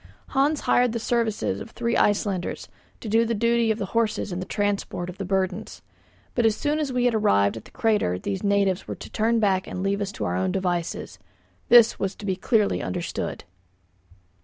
Hans hired the services of three Icelanders to do the duty of the horses in the transport of the burdens; but as soon as we had arrived at the crater these natives were to turn back and leave us to our own devices. This was to be clearly understood.